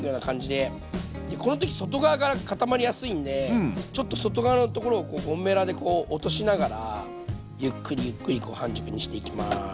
でこの時外側から固まりやすいんでちょっと外側のところをゴムべらでこう落としながらゆっくりゆっくり半熟にしていきます。